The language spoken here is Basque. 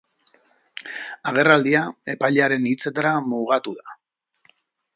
Agerraldia epailearen hitzetara mugatu da.